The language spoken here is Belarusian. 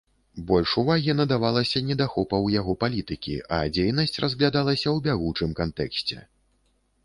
Больш увагі надавалася недахопаў яго палітыкі, а дзейнасць разглядалася ў бягучым кантэксце.